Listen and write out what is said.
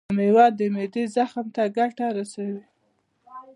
دا میوه د معدې زخم ته ګټه رسوي.